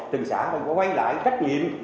từng xã và quay lại cách nghiệm